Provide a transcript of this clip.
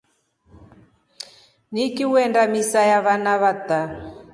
Nikiiwenda misa ya vana vata.